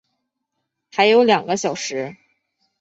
还有两个小时